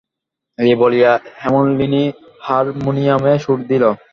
এই বলিয়া হেমনলিনী হারমোনিয়মে সুর দিল।